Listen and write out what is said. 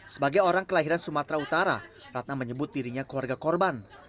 sebagai orang kelahiran sumatera utara ratna menyebut dirinya keluarga korban